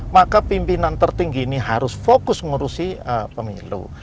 maka pimpinan tertinggi ini harus fokus mengurusi pemilu